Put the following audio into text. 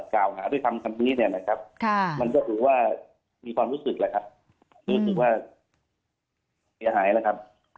ค่ะมันก็ถือว่ามีความรู้สึกแหละครับอืม